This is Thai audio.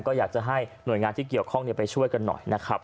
ก็อยากจะให้หน่วยงานที่เกี่ยวข้องไปช่วยกันหน่อยนะครับ